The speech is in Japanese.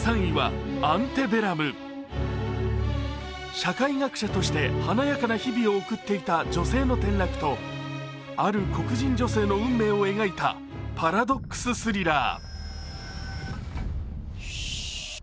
社会学者として華やかな日々を送っていた女性の転落とある黒人女性の運命を描いたパラドックス・スリラー。